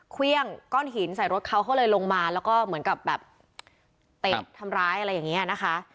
เครื่องก้อนหินใส่รถเขาเขาเลยลงมาแล้วก็เหมือนกับแบบเตะทำร้ายอะไรอย่างนี้นะคะ